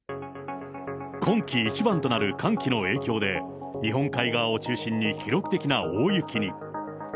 今季一番となる寒気の影響で、日本海側を中心に記録的な大雪に。